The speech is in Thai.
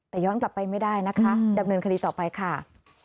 แต่ย้อนกลับไปไม่ได้นะคะดำเนินคดีต่อไปค่ะ